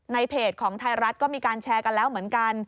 เพจของไทยรัฐก็มีการแชร์กันแล้วเหมือนกัน